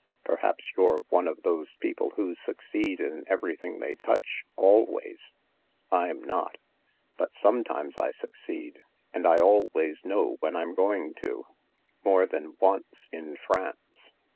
Perhaps you're one of those people who succeed in everything they touch, alwaysJ I'm not. But sometimes I succeed— and I always know when I'm going to. More than once in France